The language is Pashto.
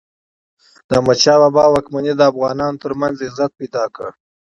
د احمد شاه بابا واکمني د افغانانو ترمنځ عزت پیدا کړ.